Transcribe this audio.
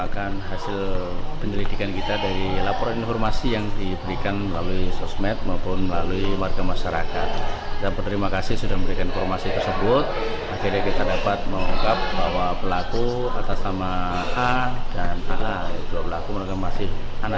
ketika mereka dikembalikan mereka dikembalikan ke rumah